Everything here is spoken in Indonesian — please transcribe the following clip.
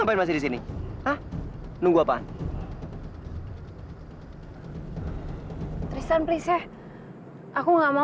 sepertinya ini napas terakhirnya papi